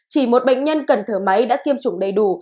chỉ một bệnh nhân cần thở máy đã tiêm chủng đầy đủ